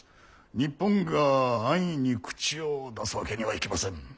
日本が安易に口を出すわけにはいきません。